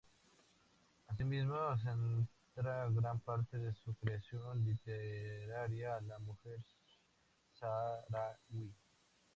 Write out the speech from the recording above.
Así mismo, centra gran parte de su creación literaria a la mujer saharaui.